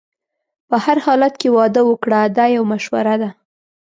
په هر حالت کې واده وکړه دا یو مشوره ده.